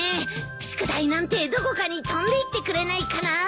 宿題なんてどこかに飛んでいってくれないかなって。